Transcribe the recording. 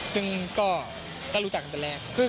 จึงก็ก็รู้จักกันตั้งแต่แรก